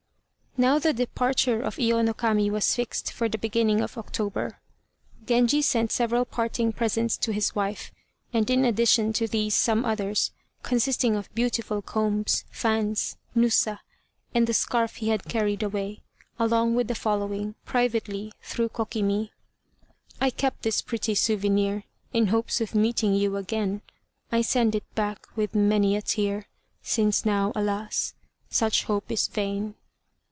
Now the departure of Iyo no Kami was fixed for the beginning of October. Genji sent several parting presents to his wife, and in addition to these some others, consisting of beautiful combs, fans, nusa, and the scarf he had carried away, along with the following, privately through Kokimi: "I kept this pretty souvenir In hopes of meeting you again, I send it back with many a tear, Since now, alas! such hope is vain."